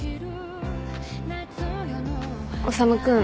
修君。